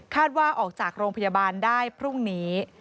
ว่าออกจากโรงพยาบาลได้พรุ่งนี้